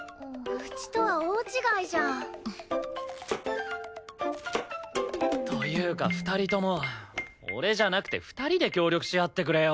うちとは大違いじゃん！というか２人とも俺じゃなくて２人で協力し合ってくれよ。